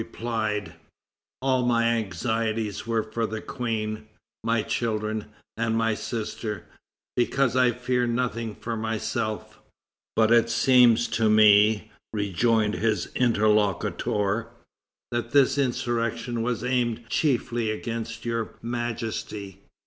replied: "All my anxieties were for the Queen, my children and my sister; because I feared nothing for myself." "But it seems to me," rejoined his interlocutor, "that this insurrection was aimed chiefly against Your Majesty."